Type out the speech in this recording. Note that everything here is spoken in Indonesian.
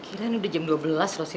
irfan sudah pulang ya